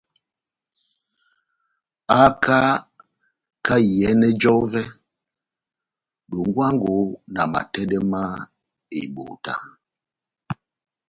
Haka kahá iyɛnɛ j'ɔvɛ dongwango na matɛdɛ ma ebota.